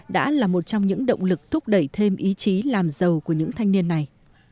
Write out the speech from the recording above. đã là một trong những động lực thúc đẩy thêm ý chí làm giàu của những thanh niên này